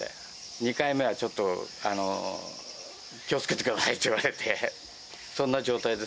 ２回目はちょっと、気をつけてくださいって言われて。